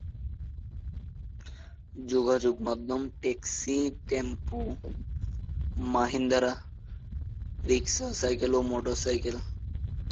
যোগাযোগ মাধ্যম taxi, tempo, Mahindra, রিক্সা, সাইকেল ও মোটর সাইকেল।